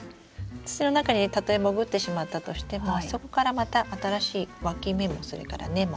土の中にたとえ潜ってしまったとしてもそこからまた新しいわき芽もそれから根も出てきますので。